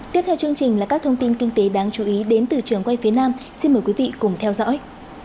tiếp theo chương trình là các thông tin kinh tế đáng chú ý đến từ trường quay phía nam xin mời quý vị cùng theo dõi